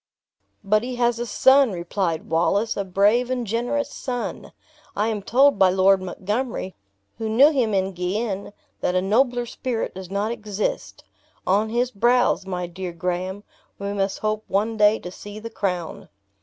"But he has a son," replied Wallace; "a brave and generous son! I am told by Lord Montgomery, who knew him in Guienne, that a nobler spirit does not exist. On his brows, my dear Graham, we must hope one day to see the crown."